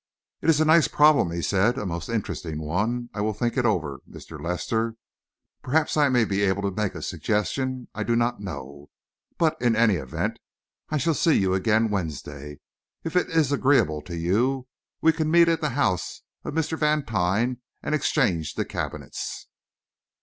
"It is a nice problem," he said, "a most interesting one. I will think it over, Mr. Lester. Perhaps I may be able to make a suggestion. I do not know. But, in any event, I shall see you again Wednesday. If it is agreeable to you, we can meet at the house of Mr. Vantine and exchange the cabinets."